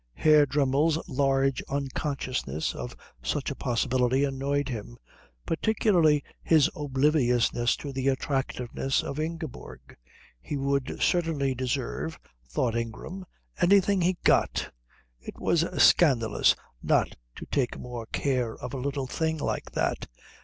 Herr Dremmel's large unconsciousness of such a possibility annoyed him, particularly his obliviousness to the attractiveness of Ingeborg. He would certainly deserve, thought Ingram, anything he got. It was scandalous not to take more care of a little thing like that.